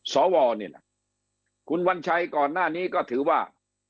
สวนี่แหละคุณวัญชัยก่อนหน้านี้ก็ถือว่า